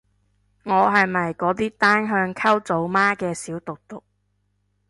我係咪嗰啲單向溝組媽嘅小毒毒